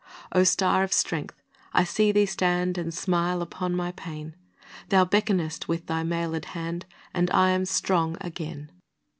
O star of strength! I see thee stand And smile upon my pain; Thou beckonest with thy mailed hand, And I am strong again.